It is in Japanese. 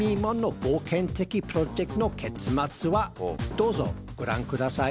どうぞご覧ください。